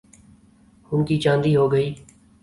ان کی چاندی ہو گئی۔